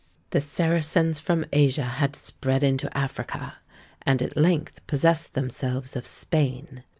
The Saracens from Asia had spread into Africa, and at length possessed themselves of Spain.